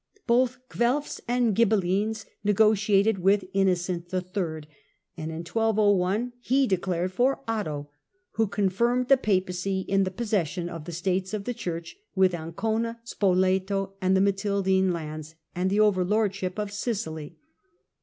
Both Guelf s and Ghibelines negotiated with Innocent III., and in 1201 he declared for Otto, who confirmed the Papacy in the possession of the States of the Church, with Ancona, Spoleto, the Matildine lands and the overlordship of Sicily.